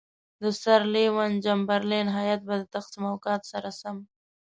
د سر لیوین چمبرلین هیات به د تقسیم اوقات سره سم.